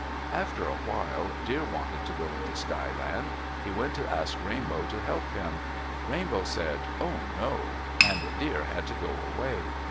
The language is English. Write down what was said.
After a while Deer wanted to go into Sky Land. He went to ask Rainbow to help him. Rainbow said, "Oh, no!" and Deer had to go away.